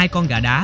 hai con gà đá